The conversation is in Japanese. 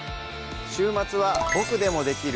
週末は「ボクでもできる！